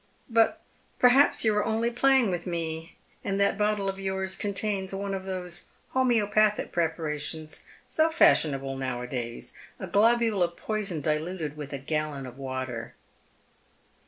" But perhaps you are only playing with me, and that bottle of j ours contains one of those homeopathic preparations so fasliionable now a daya, a globule of poison diluted with a gallon of water."